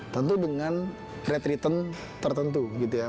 tentu dengan red return tertentu gitu ya